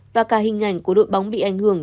và cả hình ảnh của đội bóng bị ảnh hưởng